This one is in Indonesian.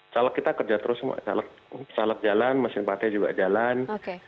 salah kita kerja terus salah jalan masing masing partai juga jalan